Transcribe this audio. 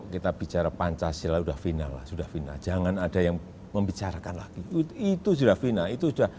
kita bicara pancasila sudah final lah sudah final jangan ada yang membicarakan lagi itu sudah final itu sudah